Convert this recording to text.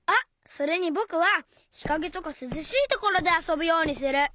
それにぼくはひかげとかすずしいところであそぶようにする。